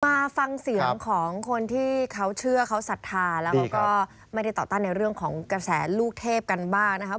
มาฟังเสียงของคนที่เขาเชื่อเขาศรัทธาแล้วเขาก็ไม่ได้ต่อต้านในเรื่องของกระแสลูกเทพกันบ้างนะครับ